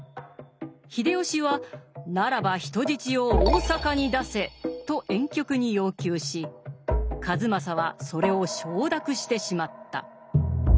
秀吉は「ならば人質を大坂に出せ」と婉曲に要求し数正はそれを承諾してしまった。